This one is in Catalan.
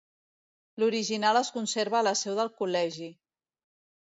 L'original es conserva a la seu del Col·legi.